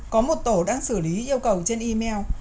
có một tổ đang xử lý yêu cầu trên email